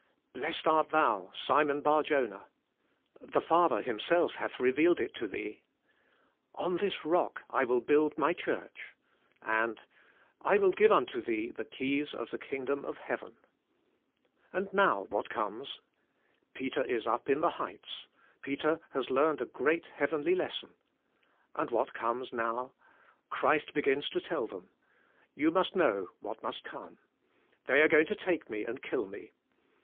"Blessed art thou, Simon Barjona," "The Father Himself hath revealed it to thee," "On this rock I will build My church," and "I will g ive unto thee the ke3^s of the kingdom of heaven. " And now what comes ? Peter is up in the heights. Peter has learned a great heav enly lesson. And what comes now? Christ begins to tell them, '' You must know what must come. They are going to take me and kill me.